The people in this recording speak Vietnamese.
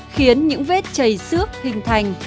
khiến những vết chảy xước hình thành